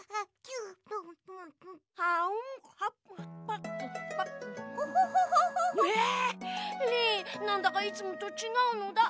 リンなんだかいつもとちがうのだ。